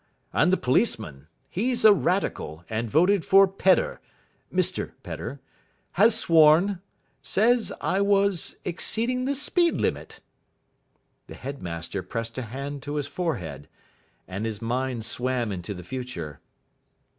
And the policeman he's a Radical, and voted for Pedder Mr Pedder has sworn says I was exceeding the speed limit." The headmaster pressed a hand to his forehead, and his mind swam into the future.